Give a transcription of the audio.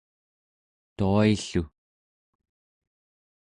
tua-i-llu